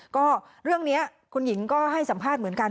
ก็เรื่องนี้คุณหญิงก็ให้สัมภาษณ์เหมือนกัน